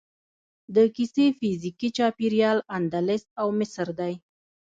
د کیسې فزیکي چاپیریال اندلس او مصر دی.